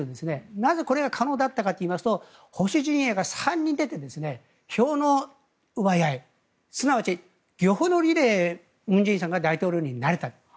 なぜ、これが可能だったかというと保守陣営が３人出て票の奪い合いすなわち漁夫の利で文在寅さんが大統領になれたと。